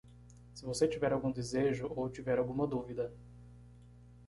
Se você tiver algum desejo ou tiver alguma dúvida